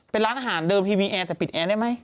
เป็นร้านอาหารเดิมทีวีแอร์จะปิดแอร์ได้ไหม